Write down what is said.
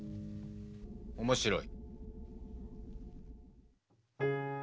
面白い。